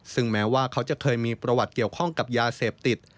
ซึ่งแม้ว่าเขาจะเคยมีประวัติเกี่ยวข้องกับยาเสพติด